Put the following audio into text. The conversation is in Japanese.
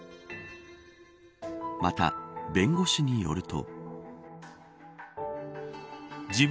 また、弁護士によると。